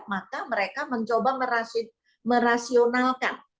maka mereka mencoba merasionalkan